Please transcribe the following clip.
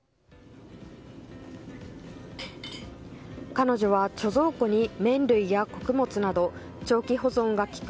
彼女は貯蔵庫に麺類や穀物など長期保存が利く